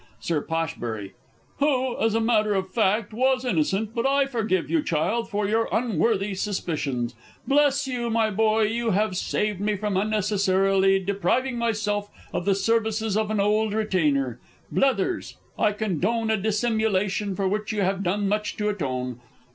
Sir Posh. Who, as a matter of fact, was innocent but I forgive you, child, for your unworthy suspicions. Bleshugh, my boy, you have saved me from unnecessarily depriving myself of the services of an old retainer. Blethers, I condone a dissimulation for which you have done much to atone.